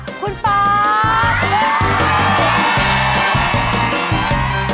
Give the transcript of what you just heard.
ขอเป็นคุณปอป